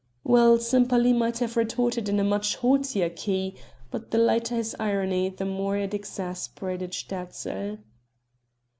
Well, Sempaly might have retorted in a much haughtier key but the lighter his irony the more it exasperated Sterzl.